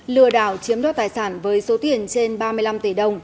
lừa đảo chiếm đoạt tài sản với số tiền trên ba mươi năm tỷ đồng